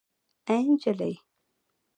اي نجلۍ